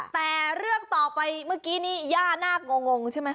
แต่เรื่องต่อไปเมื่อกี้นี้ย่าน่างงใช่ไหม